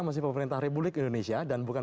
masih pemerintah republik indonesia dan bukan